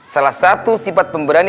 salah satu sifat pemberani